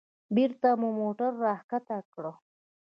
بېرته مو موټر راښکته کړ.